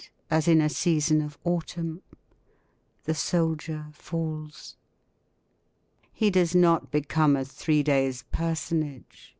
As in a season of autumn. The soldier falls. He does not become a three days' personage.